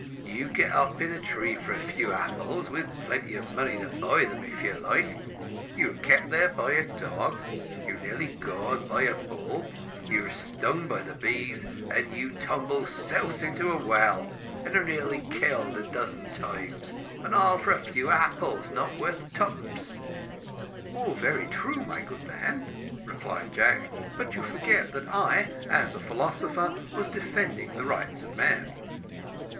You get up in a tree for a few apples, with plenty of money to buy them if you like you are kept there by a dog you are nearly gored by a bull you are stung by the bees, and you tumble souse into a well, and are nearly killed a dozen times, and all for a few apples not worth twopence." "All very true, my good man," replied Jack; "but you forget that I, as a philosopher, was defending the rights of man."